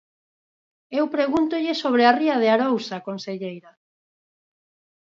Eu pregúntolle sobre a ría de Arousa, conselleira.